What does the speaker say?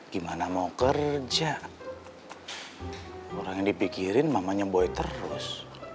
gimana mau kerja orang yang dipikirin mamanya boy terus